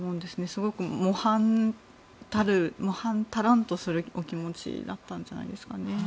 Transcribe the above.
すごく模範たらんとするお気持ちだったんじゃないですかね。